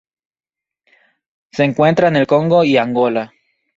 Se encuentra en el Congo y Angola.